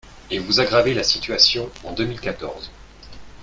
Et vous aggravez la situation en deux mille quatorze